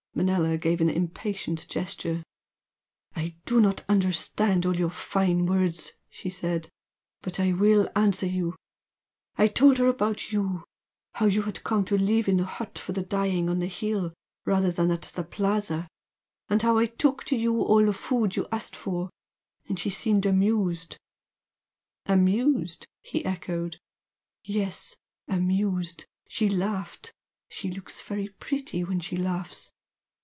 Manella gave an impatient gesture. "I do not understand all your fine words" she said "But I will answer you. I told her about you how you had come to live in the hut for the dying on the hill rather than at the Plaza and how I took to you all the food you asked for, and she seemed amused " "Amused?" he echoed. "Yes amused. She laughed, she looks very pretty when she laughs.